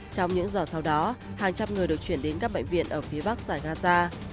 trong những giờ sau đó hàng trăm người được chuyển đến các bệnh viện ở phía bắc giải gaza